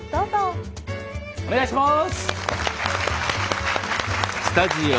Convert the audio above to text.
どうぞ。